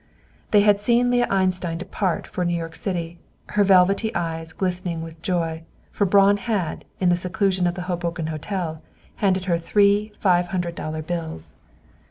They had seen Leah Einstein depart for New York City, her velvety eyes glistening with joy, for Braun had, in the seclusion of the Hoboken Hotel, handed her three five hundred dollar bills.